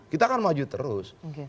kita akan maju terus